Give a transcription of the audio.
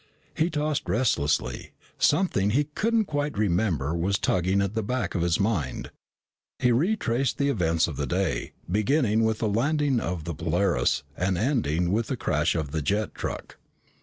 He tossed restlessly, something he couldn't quite remember was tugging at the back of his mind. He retraced the events of the day, beginning with the landing of the Polaris and ending with the crash of the jet truck.